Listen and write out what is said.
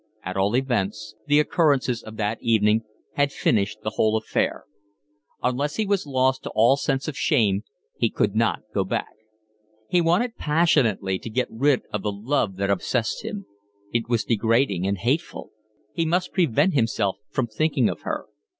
At all events the occurrences of that evening had finished the whole affair. Unless he was lost to all sense of shame he could not go back. He wanted passionately to get rid of the love that obsessed him; it was degrading and hateful. He must prevent himself from thinking of her.